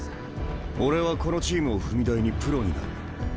俺はこのチームを踏み台にプロになる。